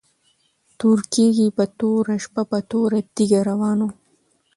تور کيږی په توره شپه په توره تيږه روان وو